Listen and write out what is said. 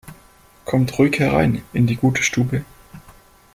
Kommt ruhig herein in die gute Stube!